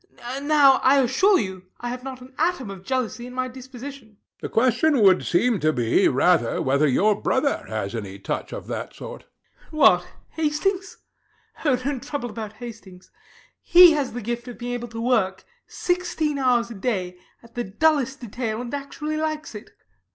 Now, I assure you I have not an atom of jealousy in my disposition. HECTOR. The question would seem to be rather whether your brother has any touch of that sort. RANDALL. What! Hastings! Oh, don't trouble about Hastings. He has the gift of being able to work sixteen hours a day at the dullest detail, and actually likes it.